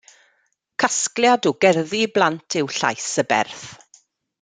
Casgliad o gerddi i blant yw Llais y Berth.